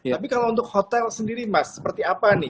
tapi kalau untuk hotel sendiri mas seperti apa nih